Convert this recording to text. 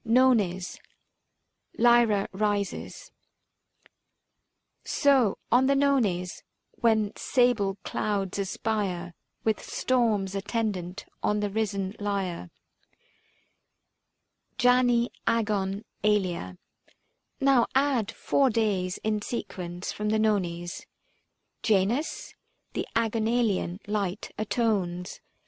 NONES. LYRA RISES. So on the Nones, when sable clouds aspire With storms attendant on the risen Lyre. 340 14 THE FASTI. Eook I. V. ID. JAN. JANI AGON ALIA. Now add four days in sequence from the Nones Janus, the Agonalian light atones.